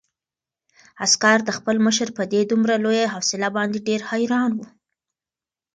عسکر د خپل مشر په دې دومره لویه حوصله باندې ډېر حیران و.